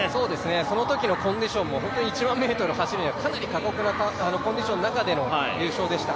そのときのコンディションも１００００ｍ走るにはかなり過酷なコンディションの中での優勝でした。